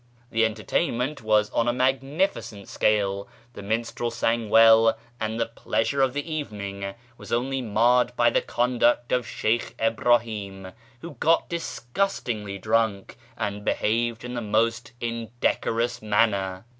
The entertainment was on a magnificent scale, the minstrel sang well, and the pleasure of the evening was only marred by the conduct of Sheykh Ibrahim, who got disgustingly drunk, and behaved in the most indecorous manner.